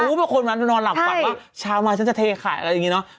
แล้วคนมันจะนอนหลับ่อนว่าช้าวมาจะเทขายอะไรอย่างงี่เนอะ